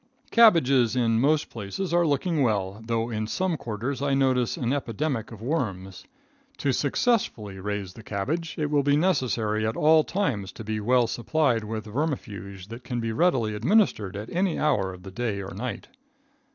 Cabbages in most places are looking well, though in some quarters I notice an epidemic of worms. To successfully raise the cabbage, it will be necessary at all times to be well supplied with vermifuge that can be readily administered at any hour of the day or night.